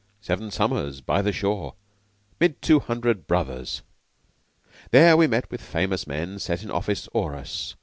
Seven summers by the shore!) 'Mid two hundred brothers. There we met with famous men Set in office o'er us.